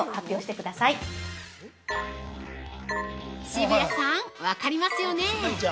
◆渋谷さん、分かりますよね？